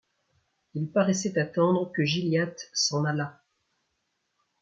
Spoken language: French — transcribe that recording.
Ils paraissaient attendre que Gilliatt s’en allât.